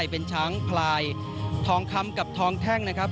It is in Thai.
เป็นช้างพลายทองคำกับทองแท่งนะครับ